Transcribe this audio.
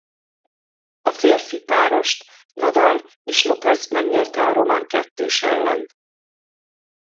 A férfi párost Nadal és López megnyerte a román kettős ellen.